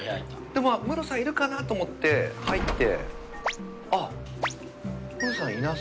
ムロさんいるかな？と思って入ってあっ。